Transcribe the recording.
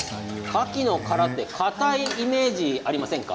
カキの殻はかたいイメージがありませんか。